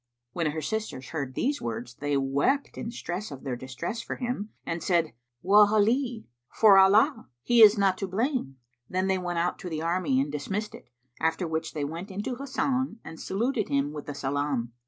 When her sisters heard these words they wept in the stress of their distress for him and said, "Wa'lláhi—'fore Allah, he is not to blame!" Then they went out to the army and dismissed it, after which they went into Hasan and saluted him with the salam.